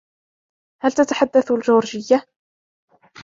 هل تتحدث الجورجية ؟